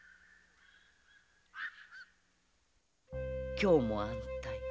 今日も安泰。